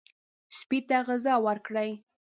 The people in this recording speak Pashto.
سپي ته غذا ورکړئ.